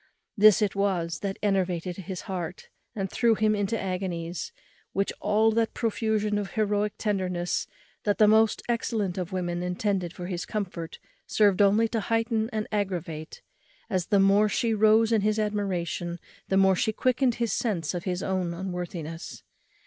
This it was that enervated his heart, and threw him into agonies, which all that profusion of heroic tenderness that the most excellent of women intended for his comfort served only to heighten and aggravate; as the more she rose in his admiration, the more she quickened his sense of his own unworthiness.